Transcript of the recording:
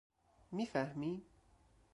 میفهمی؟